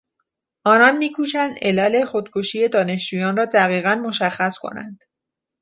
آنان میکوشند علل خودکشی دانشجویان را دقیقا مشخص کنند.